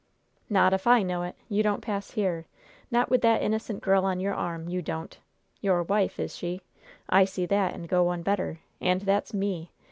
"Not if I know it you don't pass here! Not with that innocent girl on your arm, you don't! Your wife, is she? I see that, and go one better! And that's me!